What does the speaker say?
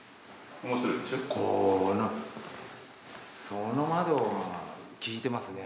その窓が効いてますね。